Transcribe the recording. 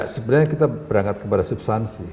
sebenarnya kita berangkat kepada substansi